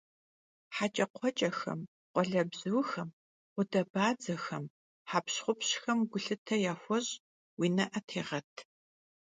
Heç'ekxhueç'em, khualebzuxem, ğudebadzexem, hep'ats'exem gulhıte yaxueş', vui ne'e têğet.